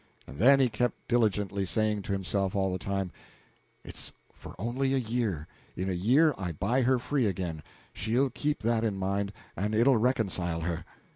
And then he kept diligently saying to himself all the time: "It's for only a year. In a year I buy her free again; she'll keep that in mind, and it'll reconcile her."